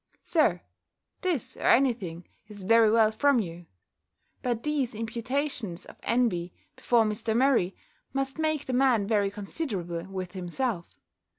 "Sir, this or anything is very well from you. But these imputations of envy, before Mr. Murray, must make the man very considerable with himself.